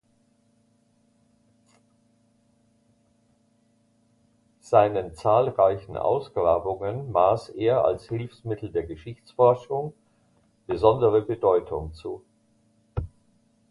Seinen zahlreichen Ausgrabungen maß er als Hilfsmittel der Geschichtsforschung besondere Bedeutung zu.